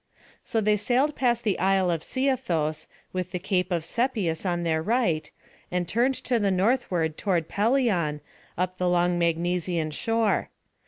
So they sailed past the Isle of Sciathos, with the Cape of Sepius on their left, and turned to the northward toward Pelion, up the long Magnesian shore.